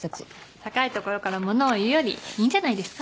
高い所から物を言うよりいいんじゃないですか？